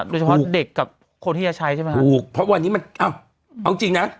โดยเฉพาะเด็กกับคนที่จะใช้ใช่ไหมถูกเพราะวันนี้มันอ่ะเอาจริงนะ